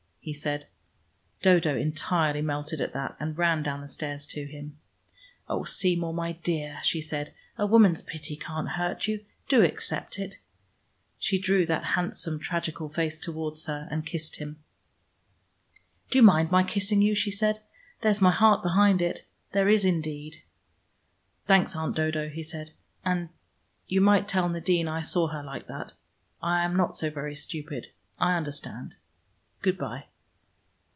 he said. Dodo entirely melted at that, and ran down the stairs to him. "Oh, Seymour, my dear," she said. "A woman's pity can't hurt you. Do accept it." She drew that handsome tragical face towards her, and kissed him. "Do you mind my kissing you?" she said. "There's my heart behind it. There is, indeed." "Thanks, Aunt Dodo," he said. "And and you might tell Nadine I saw her like that. I am not so very stupid. I understand: good by."